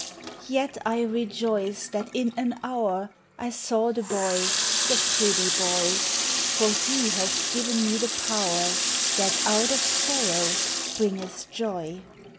Yet I rejoice that in an hour I saw the boy, the pretty boy ; For he has given me the power That out of sorrow bringeth joy.